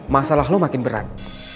masalah lo makin berat